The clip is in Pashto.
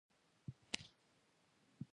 حیرتان بندر له کوم هیواد سره نښلوي؟